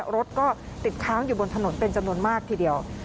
รถก็ติดค้างอยู่บนถนนเป็นจำนวนมากทีเดียว